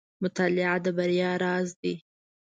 • مطالعه د بریا راز دی.